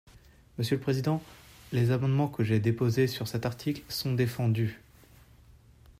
Monsieur le président, les amendements que j’ai déposés sur cet article sont défendus.